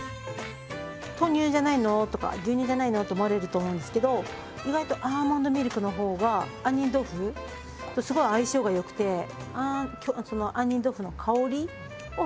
豆乳じゃないの？とか牛乳じゃないの？と思われると思うんですけど意外とアーモンドミルクの方が杏仁豆腐とすごい相性が良くて杏仁豆腐の香りを引き立ててくれます。